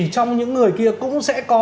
trong những người kia cũng sẽ có